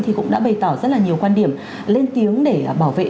thì cũng đã bày tỏ rất là nhiều quan điểm lên tiếng để bảo vệ